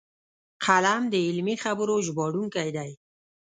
قلم د علمي خبرو ژباړونکی دی